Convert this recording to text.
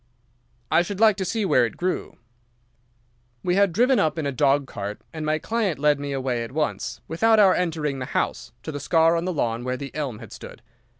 "'I should like to see where it grew.' "We had driven up in a dog cart, and my client led me away at once, without our entering the house, to the scar on the lawn where the elm had stood.